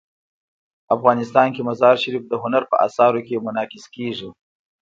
افغانستان کې مزارشریف د هنر په اثار کې منعکس کېږي.